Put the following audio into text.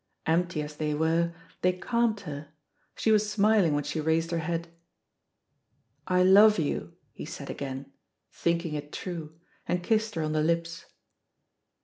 Empty as they were, they calmed her — she was smiling ^hen she raised her head. "I love you," he said again, thinking it true, and kissed her on the lips.